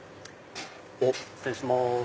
失礼します。